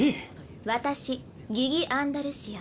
私ギギ・アンダルシア。